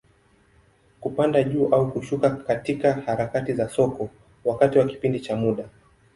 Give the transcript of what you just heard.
Kupanda juu au kushuka katika harakati za soko, wakati wa kipindi cha muda.